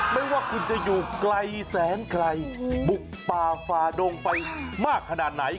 ไม่ว่าคุณจะอยู่ไกลแสนไกลบุกป่าฝ่าดงไปมากขนาดไหน